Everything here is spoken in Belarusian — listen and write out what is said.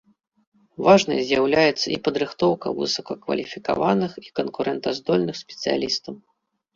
Важнай з'яўляецца і падрыхтоўка высокакваліфікаваных і канкурэнтаздольных спецыялістаў.